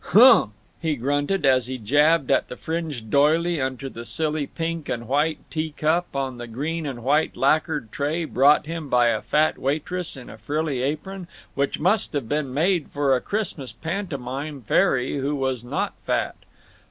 "Hungh!" he grunted, as he jabbed at the fringed doily under the silly pink and white tea cup on the green and white lacquered tray brought him by a fat waitress in a frilly apron which must have been made for a Christmas pantomime fairy who was not fat.